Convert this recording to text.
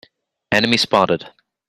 Enemy spotted!